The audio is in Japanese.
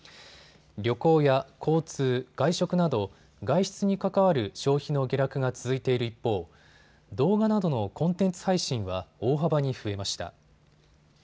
旅行や交通、外食など外出に関わる消費の下落が続いている一方、動画などのコンテンツ配信は大幅に増えました。